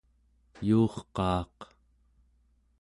yuurqaaq